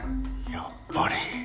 やっぱり。